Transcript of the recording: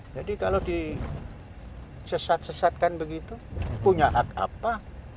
jadi kalau disesat sesatkan begitu punya hak apa